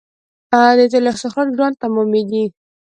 د تیلو استخراج ګران تمامېږي.